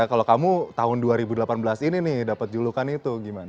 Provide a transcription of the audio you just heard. kalau kamu tahun dua ribu delapan belas ini nih dapat julukan itu gimana